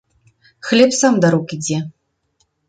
Хлеб сам да рук ідзе.